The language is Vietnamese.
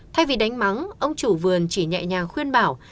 thay vì đánh mắng ông chủ vườn chỉ nhẹ nhàng khuyên bảo